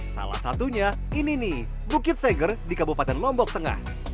salah satunya ini nih bukit seger di kabupaten lombok tengah